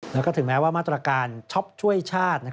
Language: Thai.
แล้วก็ถึงแม้ว่ามาตรการช็อปช่วยชาติ